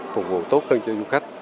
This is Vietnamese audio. phục vụ tốt hơn cho du khách